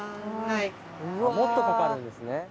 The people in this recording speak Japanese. もっとかかるんですね。